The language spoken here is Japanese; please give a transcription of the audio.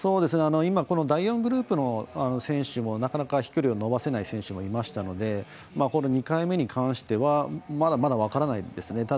今、第４グループの選手もなかなか飛距離を伸ばせない選手もいましたのでこの２回目に関してはまだまだ分からないですね。